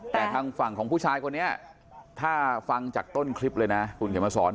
แต่ทางฝั่งของผู้ชายคนนี้ถ้าฟังจากต้นคลิปเลยนะคุณเขียนมาสอน